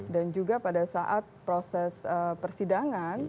dan juga pada saat proses persidangan